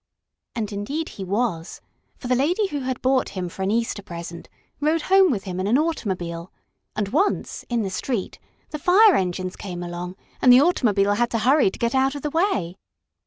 And indeed he was, for the lady who had bought him for an Easter present rode home with him in an automobile, and once, in the street, the fire engines came along and the automobile had to hurry to get out of the way.